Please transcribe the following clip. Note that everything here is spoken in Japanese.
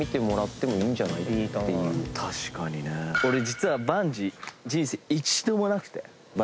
俺実はバンジー人生一度もなくて。